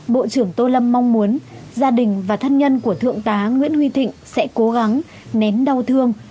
bộ trưởng tô lâm mong muốn gia đình và thân nhân của thượng tá nguyễn huy thịnh sẽ cố gắng nén đau thương